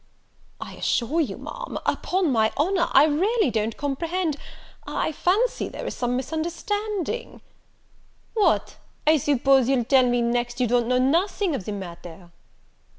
"I assure you, Ma'am, upon my honour, I really don't comprehend I fancy there is some misunderstanding " "What, I suppose you'll tell me next you don't know nothing of the matter?"